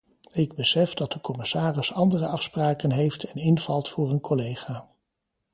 Ik besef dat de commissaris andere afspraken heeft en invalt voor een collega.